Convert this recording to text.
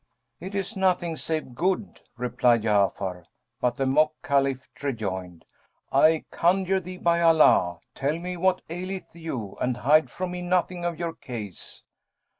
"It is nothing save good," replied Ja'afar; but the mock Caliph rejoined, "I conjure thee, by Allah, tell me what aileth you and hide from me nothing of your case."